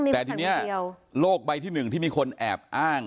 แต่ทีนี้โลกใบที่๑ที่มีคนแอบอ้าง